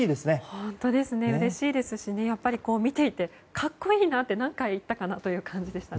本当ですね、うれしいですし見ていて格好いいなって何回言ったかなという感じでした。